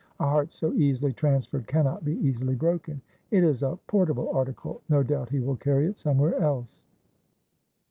A heart so easily transferred cannot be easily broken. It is a portable article. No doubt he will carry it somewhere else.'